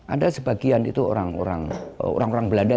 ada sebagian itu orang orang belanda